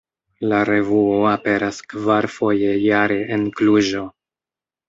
La revuo aperas kvarfoje jare en Kluĵo.